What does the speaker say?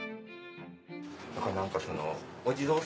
だから何かその。